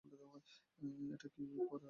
এটা কী পরে আছো তুমি?